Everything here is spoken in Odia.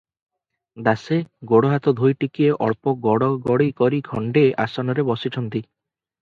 ଦାସେ ଗୋଡ଼ ହାତ ଧୋଇ ଟିକିଏ ଅଳ୍ପ ଗଡ଼ ଗଡ଼ି କରି ଖଣ୍ଡେ ଆସନରେ ବସିଛନ୍ତି ।